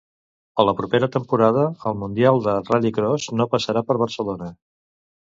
A la propera temporada, el Mundial de Rallycross no passarà per Barcelona.